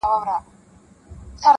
کلي کي سړه فضا خپره ده-